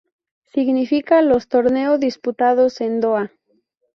Significa los torneo disputados en Doha.